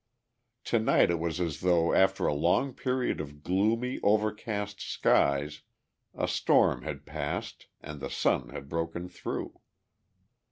Tonight it was as though after a long period of gloomy, overcast skies, a storm had passed and the sun had broken through.